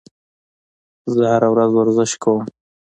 زه هره ورځ ورزش کوم